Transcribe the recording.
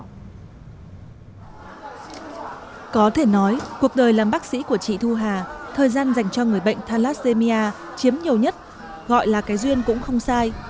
có thể nói cuộc đời làm bác sĩ của chị thu hà thời gian dành cho người bệnh thalassemia chiếm nhiều nhất gọi là cái duyên cũng không sai